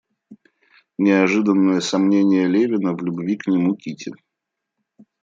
Неожиданное сомнение Левина в любви к нему Кити.